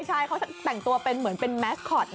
ใช่สร้างตัวเหมือนเป็นมัสคอต